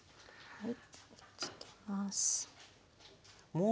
はい。